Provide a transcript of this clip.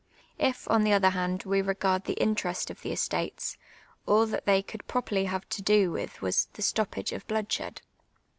If, on the other hand, we regard the interest of the estates, all that they could })roperly have to do with was the stoppage of bloodshed.